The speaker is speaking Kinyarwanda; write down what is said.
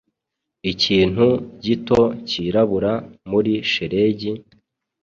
Ikintu gito cyirabura muri shelegi,